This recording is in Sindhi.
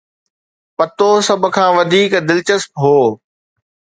پتو سڀ کان وڌيڪ دلچسپ هو.